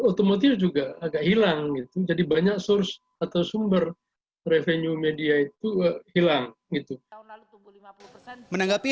property juga agak hilang itu jadi banyak source atau sumber revenue media itu hilang itu menanggapi